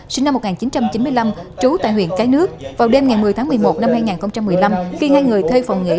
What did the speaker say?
sinh năm một nghìn chín trăm chín mươi năm trú tại huyện cái nước vào đêm một mươi một mươi một hai nghìn một mươi năm khi hai người thơi phòng nghỉ